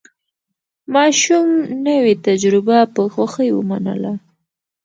ماشوم نوې تجربه په خوښۍ ومنله